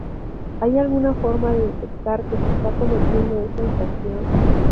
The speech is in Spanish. ¿hay alguna forma de detectar que se está cometiendo esta infracción?